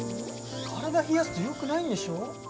体冷やすとよくないんでしょ？